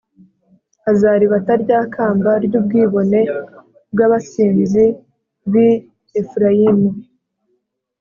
Azaribata rya kamba ry’ubwibone bw’abasinzi b’i Efurayimu,